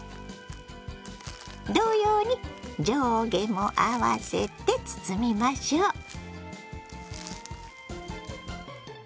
同様に上下も合わせて包みましょう。